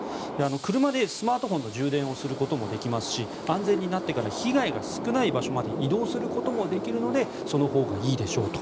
車でスマートフォンの充電をすることもできますし安全になってから被害が少ない場所まで移動することもできるのでそのほうがいいでしょうと。